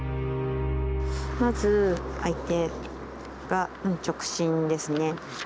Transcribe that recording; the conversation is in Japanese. まず相手が直進ですね。